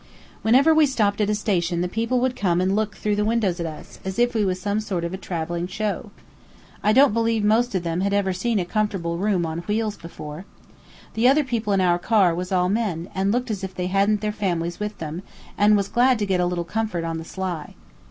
Whenever we stopped at a station the people would come and look through the windows at us, as if we was some sort of a travelling show. I don't believe most of them had ever seen a comfortable room on wheels before. The other people in our car was all men, and looked as if they hadn't their families with them, and was glad to get a little comfort on the sly.